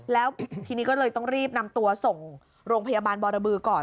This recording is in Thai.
แล้วทีนี้ก็เลยต้องรีบนำตัวส่งโรงพยาบาลบรบือก่อน